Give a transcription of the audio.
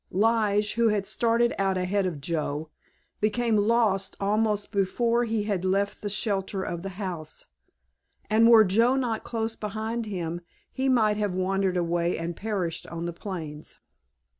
Lige, who had started out ahead of Joe, became lost almost before he had left the shelter of the house, and were Joe not close behind him he might have wandered away and perished on the plains.